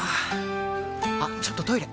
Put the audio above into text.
あっちょっとトイレ！